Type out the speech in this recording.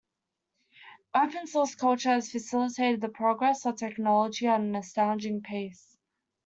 Open source culture has facilitated the progress of technology at an astonishing pace.